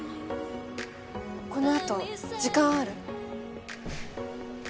このあと時間ある？